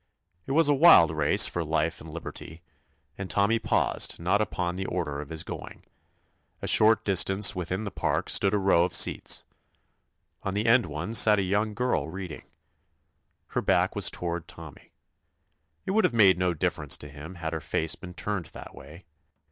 It was a wild race for life and lib erty, and Tommy paused not upon the order of his going. A short dis tance within the park stood a row of seats. On the end one sat a young girl reading. Her back was toward Tommy. It would have made no dif ference to him had her face been turned that way.